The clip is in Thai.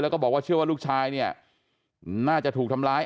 แล้วก็บอกว่าเชื่อว่าลูกชายเนี่ยน่าจะถูกทำร้าย